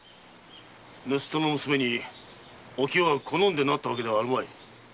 盗っ人の娘にお清が好んでなったわけではあるまい。